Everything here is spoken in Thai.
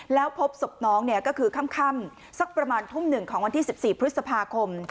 แล้วพบศพน้องก็คือค่ำสักประมาณทุ่มหนึ่งของวันที่๑๔พฤษภาคม